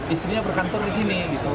istrinya berkantor di sini